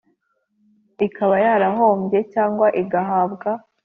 Ikaba yarahombye cyangwa igahabwa